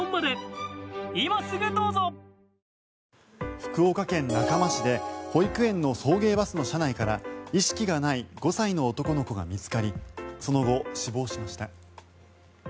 福岡県中間市で保育園の送迎バスの車内から意識がない５歳の男の子が見つかりその後、死亡しました。